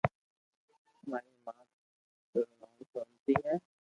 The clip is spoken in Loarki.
ماري مات ارو نوم سونتي ھي